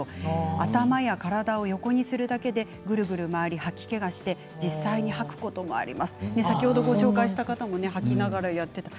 頭や体を横にするだけでぐるぐる回り吐き気があって実際に吐くことがあります。